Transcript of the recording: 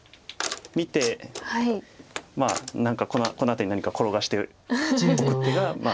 見てこの辺りに何か転がしておく手がまあ